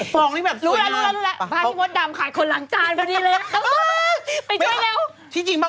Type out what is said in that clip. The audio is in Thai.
พ่อที่มดดำขายคนหลังจานอยู่นะคะไปช่วยแล้ว